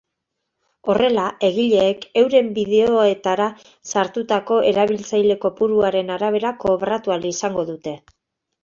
Horrela, egileek euren bideoetara sartutako erabiltzaile kopuruaren arabera kobratu ahal izango dute.